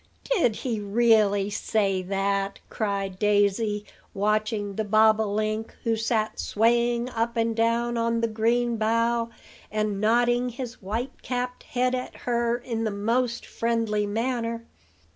"Did he really say that?" cried Daisy, watching the bob o link, who sat swaying up and down on the green bough, and nodding his white capped head at her in the most friendly manner.